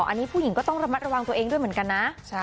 อันนี้ผู้หญิงก็ต้องระมัดระวังตัวเองด้วยเหมือนกันนะ